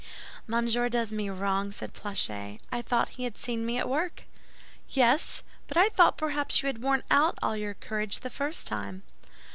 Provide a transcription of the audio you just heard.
"Monsieur does me wrong," said Planchet; "I thought he had seen me at work." "Yes, but I thought perhaps you had worn out all your courage the first time."